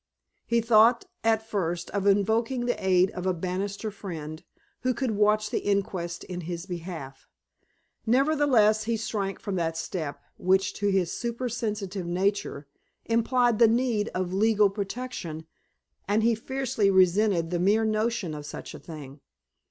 He thought, at first, of invoking the aid of a barrister friend, who could watch the inquest in his behalf. Nevertheless, he shrank from that step, which, to his super sensitive nature, implied the need of legal protection, and he fiercely resented the mere notion of such a thing.